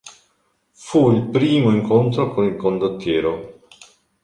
Fu il primo incontro con il condottiero.